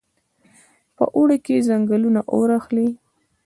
په اوړي کې ځنګلونه اور اخلي.